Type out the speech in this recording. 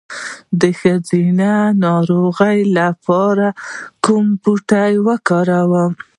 د ښځینه ناروغیو لپاره کوم بوټی وکاروم؟